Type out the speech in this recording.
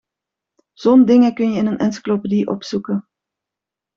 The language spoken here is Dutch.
Zo'n dingen kun je in een encyclopedie opzoeken.